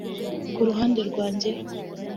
Ku ruhande rwanjye